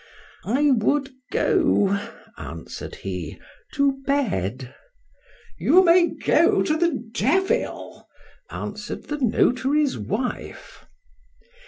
—I would go, answered he, to bed.—You may go to the devil, answer'd the notary's wife.